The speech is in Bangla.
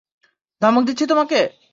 ধমক দিচ্ছি তোমাকে!